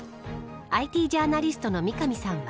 ＩＴジャーナリストの三上さんは。